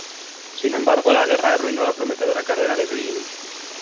Sin embargo, la guerra arruinó la prometedora carrera de Greene.